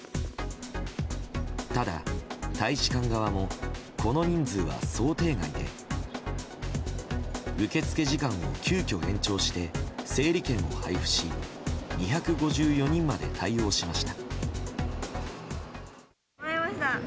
ただ、大使館側もこの人数は想定外で受け付け時間を急きょ延長して整理券を配布し２５４人まで対応しました。